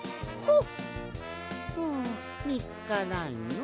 ふうみつからんのう。